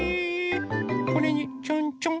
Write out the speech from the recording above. これにちょんちょん。